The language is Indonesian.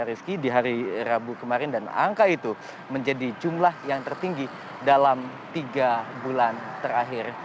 rizky di hari rabu kemarin dan angka itu menjadi jumlah yang tertinggi dalam tiga bulan terakhir